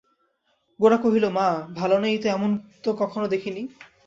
গোরা কহিল, মা ভালো নেই এমন তো কখনো দেখি নি।